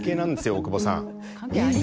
大久保さん